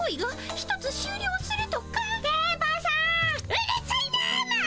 うるさいなもう！